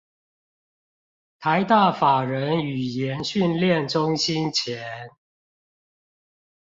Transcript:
臺大法人語言訓練中心前